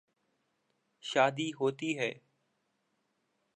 شادی ہوتی ہے۔